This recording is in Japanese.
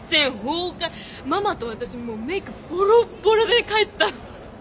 ママと私もうメイクボロボロで帰ったの。